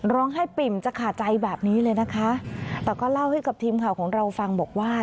ปริ่มจะขาดใจแบบนี้เลยนะคะแต่ก็เล่าให้กับทีมข่าวของเราฟังบอกว่า